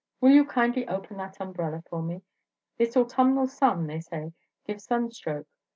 Will you kindly open that umbrella for me? This autumnal sun, they say, gives sunstroke.